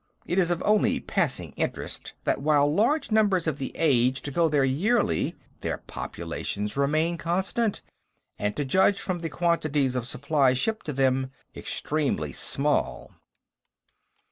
It is of only passing interest that, while large numbers of the aged go there yearly, their populations remain constant, and, to judge from the quantities of supplies shipped to them, extremely small."